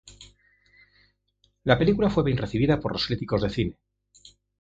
La película fue bien recibida por los críticos de cine.